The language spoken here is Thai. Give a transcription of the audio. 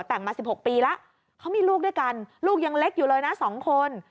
แต่งมา๑๖ปีแล้วเขามีลูกด้วยกันลูกยังเล็กอยู่เลยนะ๒คน